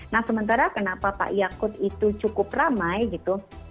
nah sementara kenapa pak yakut itu cukup ramai gitu